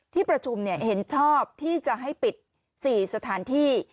ที่ประชุมเห็นชอบที่จะให้ปิด๔สถานที่